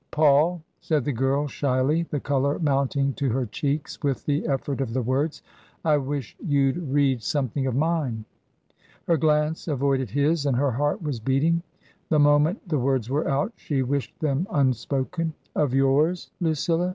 " Paul," said the girl, shyly, the colour mounting to her cheeks with the effort of the words, " I wish you'd read something of mine." Her glance avoided his and her heart was beating. The moment the words were out she wished them un spoken. " Of yours^ Lucilla